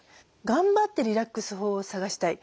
頑張ってリラックス法を探したい。